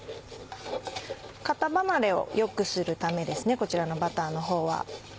型離れを良くするためですねこちらのバターのほうは。